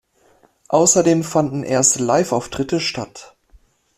Außerdem fanden erste Liveauftritte statt.